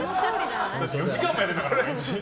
だって４時間もやるんだから。